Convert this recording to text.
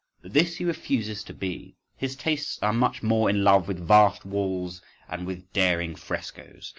But this he refuses to be! His tastes are much more in love with vast walls and with daring frescoes!